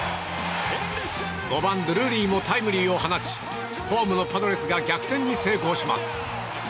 ５番、ドゥルーリーもタイムリーを放ちホームのパドレスが逆転に成功します。